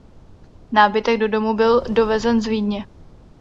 Nábytek do domu byl dovezen z Vídně.